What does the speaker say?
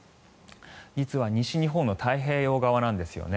実は西日本の太平洋側なんですよね。